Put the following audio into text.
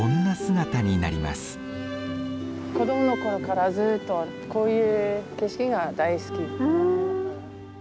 子供のころからずっとこういう景色が大好き。